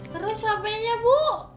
terus hpnya bu